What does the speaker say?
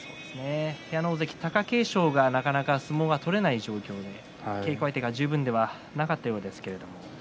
部屋の大関、貴景勝がなかなか取れない状況で稽古相手が十分ではなかったようですが。